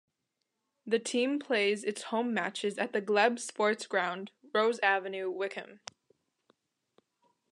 The team plays its home matches at the Glebe Sports Ground, Rose Avenue, Whickham.